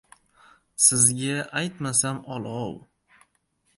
Sizga aytmasam olov.